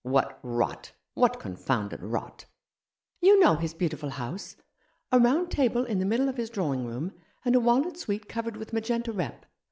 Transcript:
"What rot! what confounded rot!" "You know his beautiful house — a round table in the middle of his drawing room, and a walnut suite covered with magenta rep.